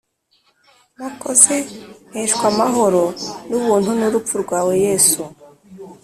nakoze, mpeshwa amahoro n'ubuntu n'urupfu rwawe, yesu.